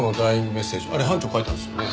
メッセージあれ班長書いたんですよね？